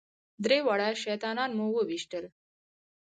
درې واړه شیطانان مو وويشتل.